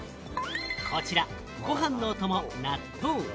こちら、ご飯のお供、納豆。